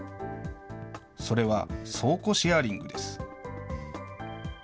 それは倉庫シェアリングです。